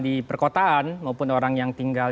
di perkotaan maupun orang yang tinggal